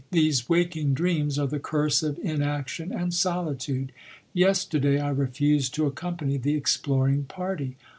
These waking dreams are the curse of inaction and solitude. Yester day I refused to accompany the exploring party.